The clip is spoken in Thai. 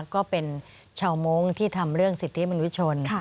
ก็เป็นชาวมงค์ที่ทำเรื่องสิทธิมนุชน